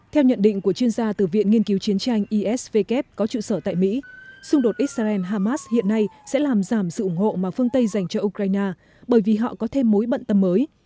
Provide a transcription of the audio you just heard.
theo nhận định của chuyên gia từ viện nghiên cứu chiến tranh esvk có trụ sở tại mỹ xung đột israel hamas hiện nay sẽ làm giảm sự ủng hộ mà phương tây dành cho ukraine bởi vì họ có thêm mối bận tâm mới